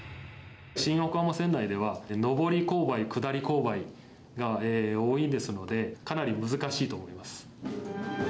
新横浜線内では、上り勾配、下り勾配が多いですので、かなり難しいと思います。